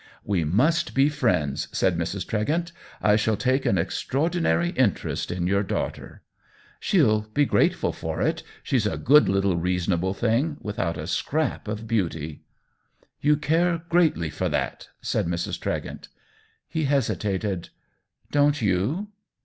" We must be friends," said Mrs. Tregent. " I shall take an extraordinary interest in your daughter." " She'll be grateful for it. She's a good 62 THE WHEEL OF TIME little reasonable thing, without a scrap of beauty." "You care greatly for that," said Mrs. Tregent. He hesitated. " Dont you